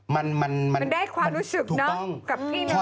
มันได้ความรู้สึกเนาะ